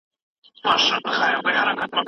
که علم له ژوند سره وتړل سي، زده کړه بې ګټې نه ښکاري.